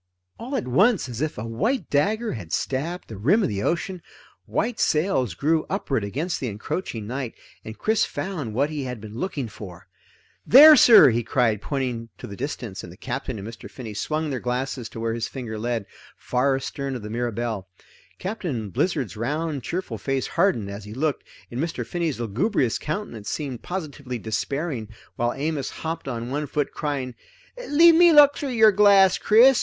All at once, as if a white dagger had stabbed the rim of the ocean, white sails grew upward against the encroaching night, and Chris found what he had been looking for. "There sir!" he cried, pointing to the distance, and the Captain and Mr. Finney swung their glasses to where his finger led, far astern of the Mirabelle. Captain Blizzard's round cheerful face hardened as he looked, and Mr. Finney's lugubrious countenance seemed positively despairing, while Amos hopped on one foot crying: "Leave me look through your glass, Chris!